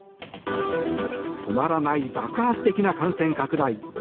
止まらない爆発的な感染拡大。